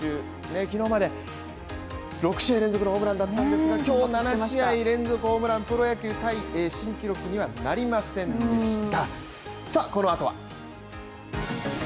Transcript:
昨日まで、６試合連続のホームランだったんですが今日、７試合連続ホームラン、プロ野球タイ新記録にはなりませんでした。